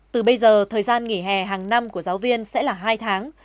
từ bây giờ thời gian nghỉ hè hàng năm của giáo viên sẽ là hai tháng